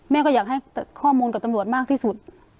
ก็อยากให้ข้อมูลกับตำรวจมากที่สุด